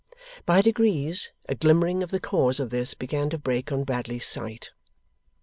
By degrees, a glimmering of the cause of this began to break on Bradley's sight.